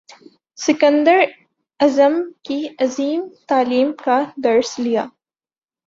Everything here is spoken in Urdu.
سکندر اعظم کی عظیم تعلیم کا درس لیا